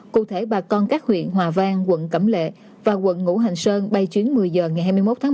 cụ thể bà con các huyện hòa vang quận cẩm lệ và quận ngũ hành sơn bay chuyến một mươi h ngày hai mươi một tháng một mươi